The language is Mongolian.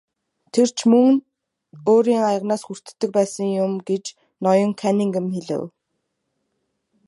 Тэр ч мөн өөрийн аяганаас хүртдэг байсан юм гэж ноён Каннингем хэлэв.